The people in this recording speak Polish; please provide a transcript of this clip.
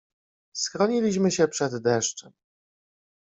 Schroniliśmy się przed deszczem.